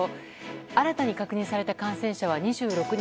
新たに確認された感染者は２６人。